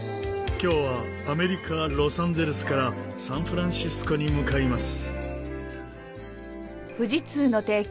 今日はアメリカロサンゼルスからサンフランシスコに向かいます。